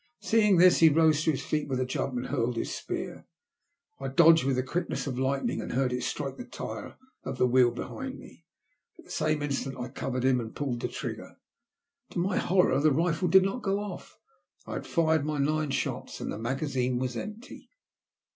Seeing this, he rose to his feet with a jump, and hurled his spear. I dodged with the quickness of lightning, and heard it strike the tyre of the wheel behind me. At the same instant I covered him and pulled the trigger. To my horror the rifle did not go off. I had fired my nine shots, and the magazine was empty.